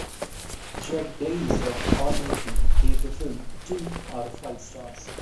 Judd Blaise of Allmovie gave the film two out of five stars.